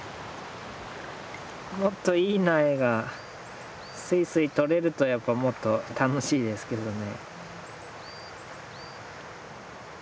もっといい苗がスイスイとれるとやっぱもっと楽しいですけどね。